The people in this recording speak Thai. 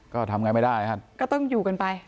ก็ทำไงไม่ได้ฮะก็ต้องอยู่กันไป